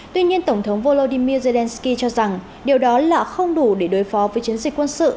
tuy nhiên tổng thống volodymyr zelensky cho rằng điều đó là không đủ để đối phó với chiến dịch quân sự